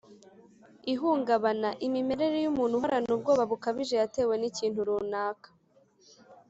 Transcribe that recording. ihungabana: imimerere y’umuntu uhorana ubwoba bukabije yatewe n’ikintu runaka